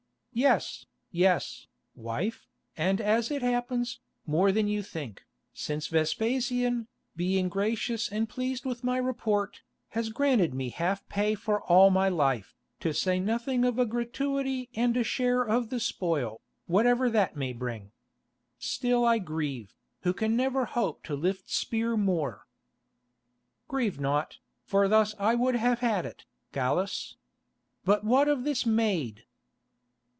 "Yes, yes, wife, and as it happens, more than you think, since Vespasian, being gracious and pleased with my report, has granted me half pay for all my life, to say nothing of a gratuity and a share of the spoil, whatever that may bring. Still I grieve, who can never hope to lift spear more." "Grieve not, for thus I would have had it, Gallus. But what of this maid?"